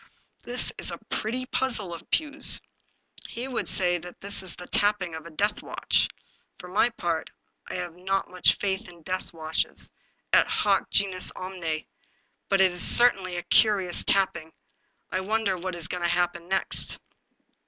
" This is a pretty puzzle of Pugh's. He would say that that is the tapping of a deathwatch. For my part I have not much faith in deathwatches, et hoc genus omne, but it certainly is a curious tapping; I wonder what is going to happen next